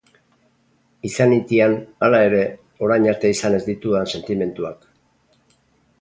Izan nitian, hala ere, orain arte izan ez ditudan sentimenduak...